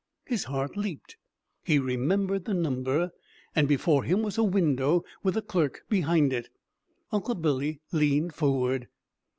His heart leaped; he remembered the number, and before him was a window with a clerk behind it. Uncle Billy leaned forward.